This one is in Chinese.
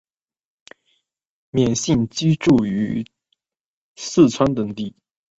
兔姓居民多住于四川等地。